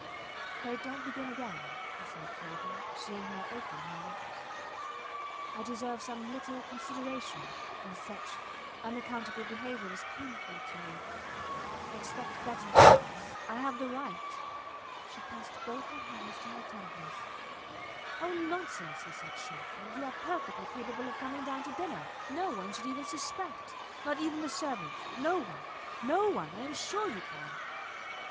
Pray, dont begin again, he said, hurriedly, seeing her open her lips. I deserve some little consideration and such unaccountable behaviour is painful to me. I expect better things. ... I have the right. ... She pressed both her hands to her temples. Oh, nonsense! he said, sharply. You are perfectly capable of coming down to dinner. No one should even suspect; not even the servants. No one! No one! ... I am sure you can.